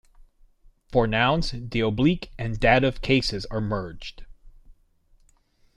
For nouns the oblique and dative cases are merged.